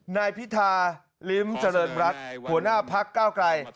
นายพิธาลิ้มเจริญรัฐหัวหน้าพักเก้าไกล